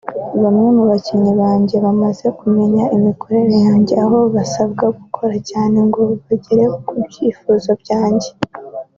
bamwe mu bakinnyi bamaze kumenya imikorere yanjye aho basabwa gukora cyane ngo bagere ku byifuzo byanjye